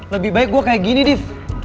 lebih baik gue kayak gini div